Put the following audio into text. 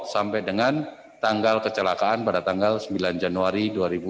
sampai dengan tanggal kecelakaan pada tanggal sembilan januari dua ribu dua puluh